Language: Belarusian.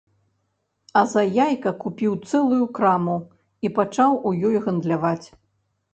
А за яйка купіў цэлую краму і пачаў у ёй гандляваць.